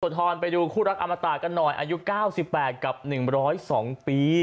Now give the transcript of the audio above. ไปดูคู่รักอมตะกันหน่อยอายุ๙๘กับ๑๐๒ปี